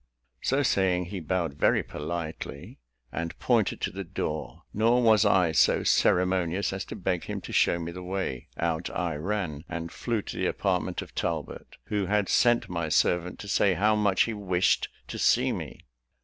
So saying, he bowed very politely, and pointed to the door; nor was I so ceremonious as to beg him to show me the way; out I ran, and flew to the apartment of Talbot, who had sent my servant to say how much he wished to see me.